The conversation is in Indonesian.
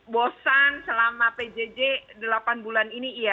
bosan selama pjj delapan bulan ini iya